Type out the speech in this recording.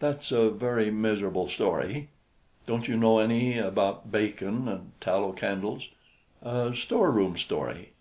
"That's a very miserable story. Don't you know any about bacon and tallow candles a store room story?"